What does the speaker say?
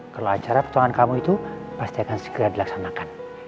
kalau acara petualangan kamu itu pasti akan segera dilaksanakan